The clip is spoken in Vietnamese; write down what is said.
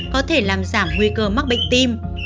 có thể làm giảm nguy cơ mắc bệnh tim